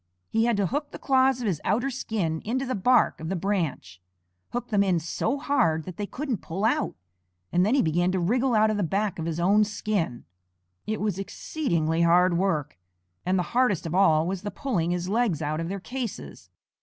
He had to hook the claws of his outer skin into the bark of the branch, hook them in so hard that they couldn't pull out, and then he began to wriggle out of the back of his own skin. It was exceedingly hard work, and the hardest of all was the pulling his legs out of their cases.